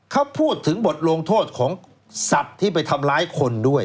เขาพูดถึงบทลงโทษของสัตว์ที่ไปทำร้ายคนด้วย